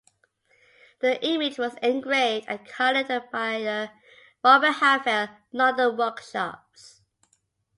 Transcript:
The image was engraved and colored by the Robert Havell, London workshops.